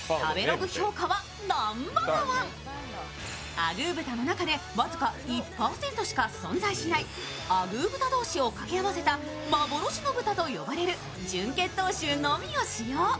アグー豚の中で僅か１％しか存在しないアグー豚同士を掛け合わせた幻の豚と呼ばれる純血統種のみを使用。